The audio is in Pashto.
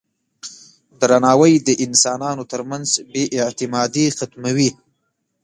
درناوی د انسانانو ترمنځ بې اعتمادي ختموي.